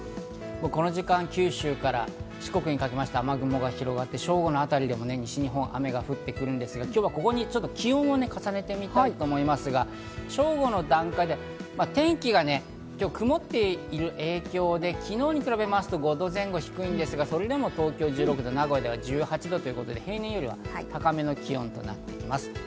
この時間、九州から四国にかけて雨雲が広がって、正午のあたりでも西日本は雨が降ってくるんですが、今日はここに気温を重ねてみたいと思いますが正午の段階で天気が今日、曇っている影響で昨日に比べますと５度前後低いんですが、それでも東京は１６度、名古屋では１８度ということで、平年よりは高めの気温となっています。